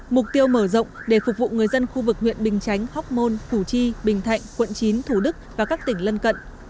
mục tiêu mở rộng để phục vụ người dân khu vực huyện bình chánh hóc môn phủ chi bình thạnh quận chín thủ đức và các tỉnh lân cận